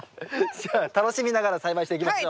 じゃあ楽しみながら栽培していきましょう。